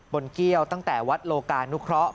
เกี้ยวตั้งแต่วัดโลกานุเคราะห